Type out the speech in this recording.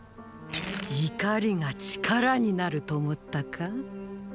怒りが力になると思ったか？